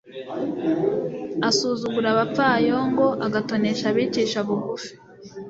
asuzugura abapfayongo, agatonesha abicisha bugufi